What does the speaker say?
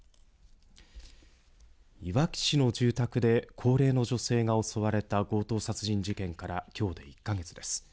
いわき市の住宅で高齢の女性が襲われた強盗殺人事件からきょうで１か月です。